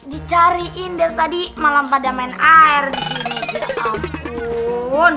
dicariin dari tadi malam pada main air di sini